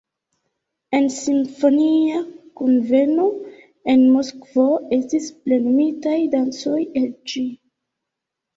En simfonia kunveno en Moskvo estis plenumitaj dancoj el ĝi.